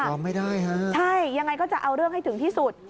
ไม่ได้ฮะใช่ยังไงก็จะเอาเรื่องให้ถึงที่สุด